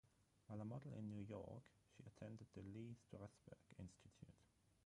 While a model in New York, she attended the Lee Strasberg Institute.